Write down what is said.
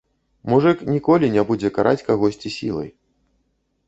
Мужык, ніколі не будзе караць кагосьці сілай.